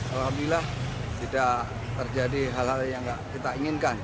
alhamdulillah tidak terjadi hal hal yang tidak kita inginkan